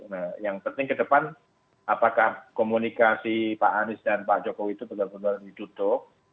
nah yang penting ke depan apakah komunikasi pak anies dan pak jokowi itu benar benar ditutup